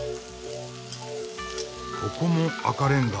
ここも赤レンガ。